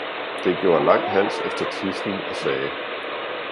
Det gjorde lang hals efter tidslen og sagde.